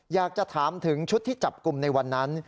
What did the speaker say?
อยากจะถามถึงชุดที่จับกลุ่มในวันนั้น